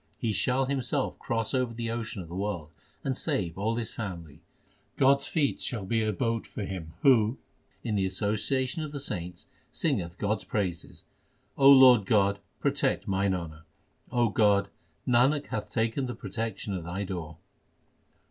He shall himself cross over the ocean of the world, And save all his family. God s feet shall be a boat for him Who in the association of the saints singeth God s praises. O Lord God, protect mine honour. O God, Nanak hath taken the protection of Thy door.